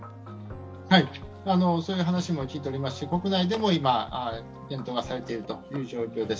そういう話も聞いておりますし、国内でも今、検討がされているという状況です。